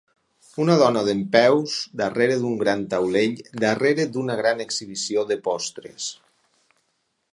Una dona dempeus darrere d'un gran taulell darrere d'una gran exhibició de postres.